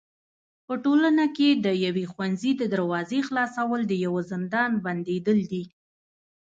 په ټولنه کي د يوي ښوونځي د دروازي خلاصول د يوه زندان بنديدل دي.